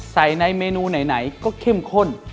ในเมนูไหนก็เข้มข้น